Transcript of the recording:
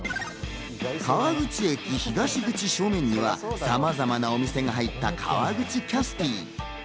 川口駅東口正面にはさまざまなお店が入った、かわぐちキャスティ。